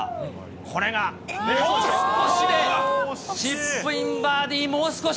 これがあと少しでチップインバーディー、もう少し。